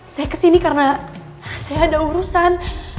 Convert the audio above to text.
saya kesini karena saya ada urusan